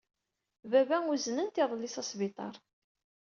Baba uznen-t iḍelli s asbiṭar.